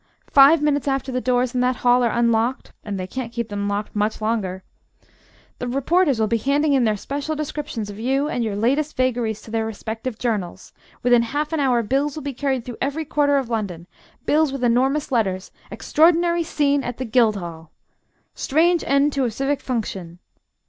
Five minutes after the doors in that hall are unlocked (and they can't keep them locked much longer) the reporters will be handing in their special descriptions of you and your latest vagaries to their respective journals. Within half an hour bills will be carried through every quarter of London bills with enormous letters: 'Extraordinary Scene at the Guildhall.' 'Strange End to a Civic Function.'